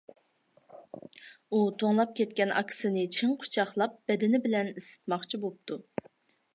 ئۇ توڭلاپ كەتكەن ئاكىسىنى چىڭ قۇچاقلاپ بەدىنى بىلەن ئىسسىتماقچى بوپتۇ.